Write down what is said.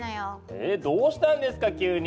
えどうしたんですか急に。